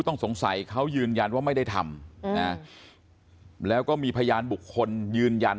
ต้องสงสัยเขายืนยันว่าไม่ได้ทำนะแล้วก็มีพยานบุคคลยืนยัน